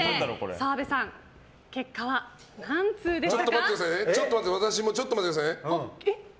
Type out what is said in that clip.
澤部さん、結果は何通でしょうか。